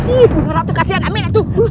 ibu bunda aku kasihan amin